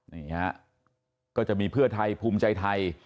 นี่ฮะก็จะมีเพื่อไทยภูมิใจไทย